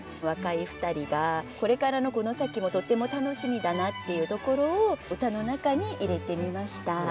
若い２人がこれからのこの先もとっても楽しみだなっていうところを歌の中に入れてみました。